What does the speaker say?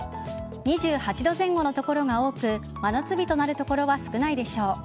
２８度前後の所が多く真夏日となる所は少ないでしょう。